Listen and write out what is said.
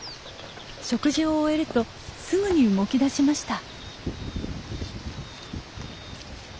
食事を終えるとすぐに動きだしました。